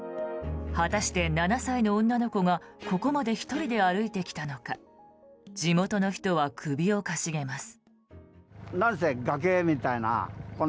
果たして、７歳の女の子がここまで１人で歩いてきたのか地元の人は首を傾げます。